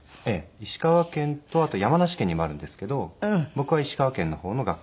石川県とあと山梨県にもあるんですけど僕は石川県の方の学校に。